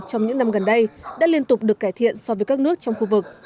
trong những năm gần đây đã liên tục được cải thiện so với các nước trong khu vực